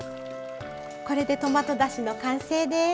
これでトマトだしの完成です。